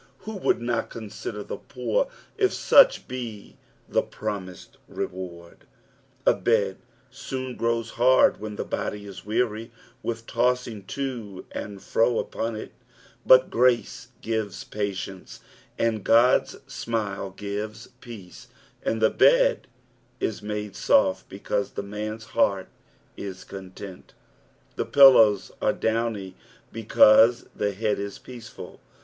Who would not consider the poor if such be the promised reward ) A bed soon grows hard when the body is weary with tossing to and fro upon it, but grace gives patience, and Gud's smile ^ives peace, and the bed is msde soft because the man's heart is content ; the pillows are downy because the head is peaceful.